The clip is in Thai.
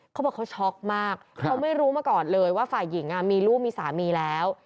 เขาบอกเขาช็อกมากเขาไม่รู้มาก่อนเลยว่าฝ่ายหญิงมีลูกมีสามีแล้ว